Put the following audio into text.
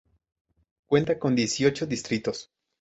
Cuenta con dieciocho distritos.